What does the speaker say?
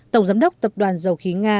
tổng giám đốc tập đoàn dầu khí nga